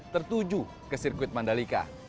tertuju ke sirkuit mandalika